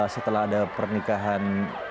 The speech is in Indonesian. setelah ada pernikahan